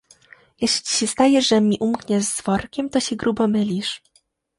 "Jeżeli ci się zdaje, że mi umkniesz z workiem, to się grubo mylisz."